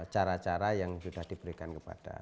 cara cara yang sudah diberikan kepada